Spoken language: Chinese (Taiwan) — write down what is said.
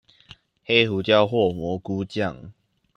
黑胡椒或蘑菇醬